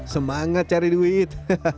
semangat cari duit